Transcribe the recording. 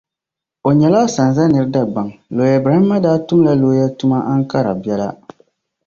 O nyɛla asanza nira Dagbaŋ. Looya Ibrahima daa tumla looya tuma Ankara biɛla.